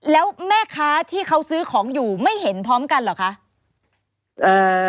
แล้วแม่ค้าที่เขาซื้อของอยู่ไม่เห็นพร้อมกันเหรอคะ